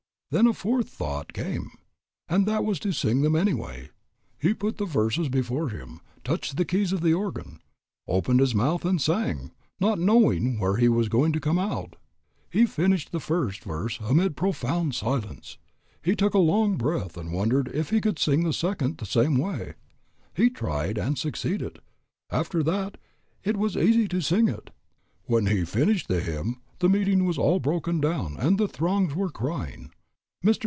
Then a fourth thought came, and that was to sing them anyway. He put the verses before him, touched the keys of the organ, opened his mouth and sang, not knowing where he was going to come out. He finished the first verse amid profound silence. He took a long breath and wondered if he could sing the second the same way. He tried and succeeded; after that it was easy to sing it. When he finished the hymn the meeting was all broken down and the throngs were crying.